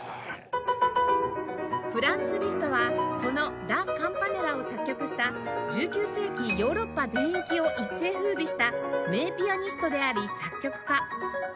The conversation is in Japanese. フランツ・リストはこの『ラ・カンパネラ』を作曲した１９世紀ヨーロッパ全域を一世風靡した名ピアニストであり作曲家